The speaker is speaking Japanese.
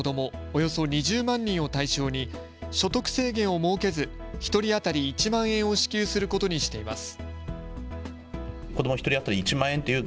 およそ２０万人を対象に所得制限を設けず１人当たり１万円を支給することにしています。